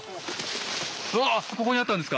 うわここにあったんですか？